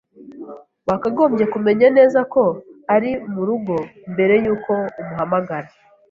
Wakagombye kumenya neza ko ari murugo mbere yuko umuhamagara.